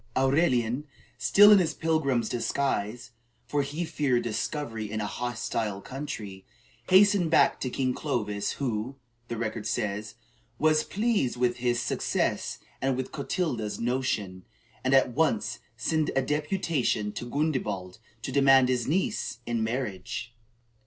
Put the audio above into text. Aurelian, still in his pilgrim's disguise, for he feared discovery in a hostile country, hastened back to King Clovis, who, the record says, was "pleased with his success and with Clotilda's notion, and at once sent a deputation to Gundebald to demand his niece in marriage."